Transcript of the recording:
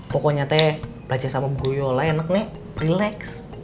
pokoknya teh belajar sama ibu guru yola enak nek relax